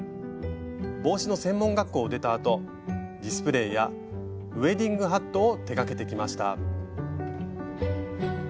帽子の専門学校を出たあとディスプレーやウエディングハットを手がけてきました。